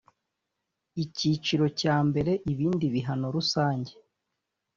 Icyiciro cya mbere Ibindi bihano rusange